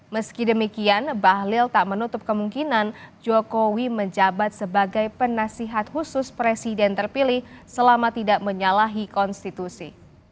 meski demikian bahlil tak menutup kemungkinan jokowi menjabat sebagai penasihat khusus presiden terpilih selama tidak menyalahi konstitusi